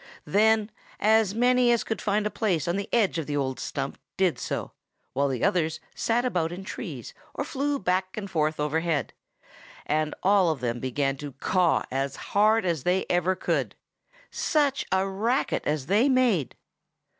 Then as many as could find a place on the edge of the old stump did so, while the others sat about in the trees or flew back and forth overhead, and all of them began to caw as hard as ever they could. Such a racket as they made!